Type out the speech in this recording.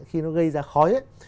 khi nó gây ra khói ấy